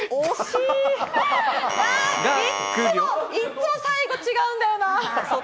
いつも最後違うんだよな。